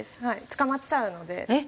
捕まっちゃうので。